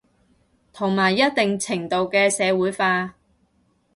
同埋一定程度嘅社會化